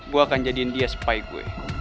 gue akan jadiin dia spike gue